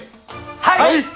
はい！